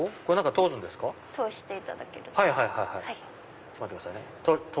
通していただけると。